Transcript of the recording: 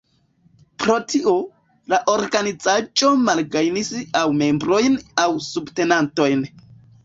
Pro tio, la organizaĵo malgajnis aŭ membrojn aŭ subtenantojn.